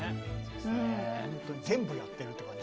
ほんとに全部やってるって感じ。